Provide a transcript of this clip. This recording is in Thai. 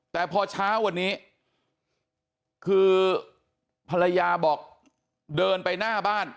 แต่พอเช้าวันนี้คือภรรยาบอกเดินไปหน้าบ้าน